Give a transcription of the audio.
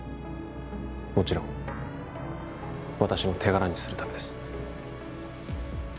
もちろん私の手柄にするためです